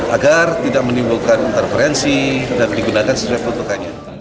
agar tidak menimbulkan interferensi dan digunakan setiap putukannya